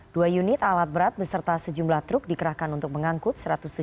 dua unit alat berat beserta sejumlah truk dikerahkan untuk mengangkut